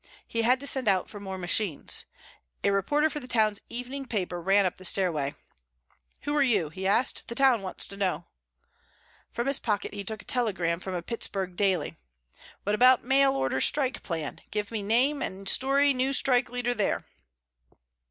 He had to send out for more machines. A reporter for the town's evening paper ran up the stairway. "Who are you?" he asked. "The town wants to know." From his pocket he took a telegram from a Pittsburgh daily. "What about mail order strike plan? Give name and story new strike leader there."